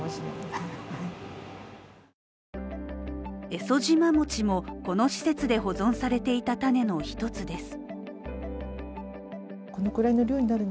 エソジマモチもこの施設で保存されていた種の一つです。